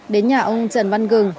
đến nhà ông trần văn gừng